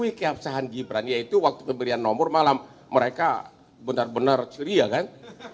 tapi keabsahan gibran yaitu waktu pemberian nomor malam mereka benar benar curia kan